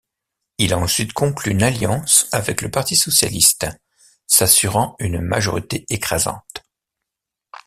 Il a ensuite conclu une alliance avec le Parti socialiste, s'assurant une majorité écrasante.